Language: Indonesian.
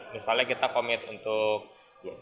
misalnya kita komit untuk